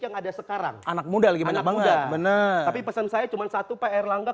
yang ada sekarang anak muda lagi banyak banget bener tapi pesan saya cuma satu peer langgan